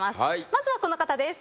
まずはこの方です。